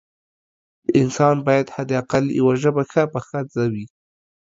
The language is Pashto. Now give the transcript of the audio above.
د انسان باید حد اقل یوه ژبه ښه پخه زده وي